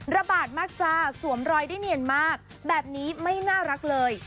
ระบาดมากจ้าสวมรอยได้เนียนมากแบบนี้ไม่น่ารักเลย